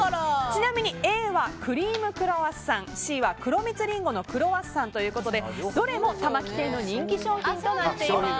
ちなみにＡはクリームクロワッサンＣは黒蜜りんごのクロワッサンということでどれも、たま木亭の人気商品となっています。